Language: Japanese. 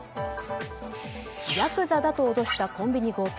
ヤクザだと脅したコンビニ強盗。